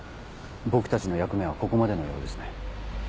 僕たちの役目はここまでのようですね。